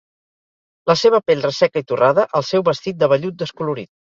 La seva pell resseca i torrada, el seu vestit de vellut descolorit